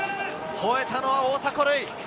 吠えたのは大迫塁。